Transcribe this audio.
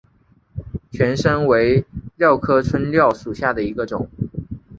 拳参为蓼科春蓼属下的一个种。